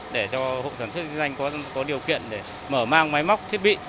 để cho hộ sản xuất kinh doanh có điều kiện để mở mang máy móc thiết bị